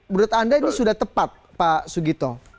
menurut anda ini sudah tepat pak sugito